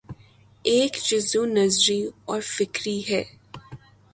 ایک جزو نظری اور فکری ہے۔